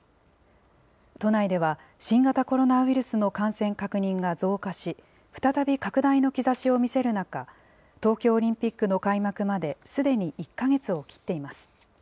都内では、新型コロナウイルスの感染確認が増加し、再び拡大の兆しを見せる中、東京オリンピックの開幕まですでに１か月を切っています。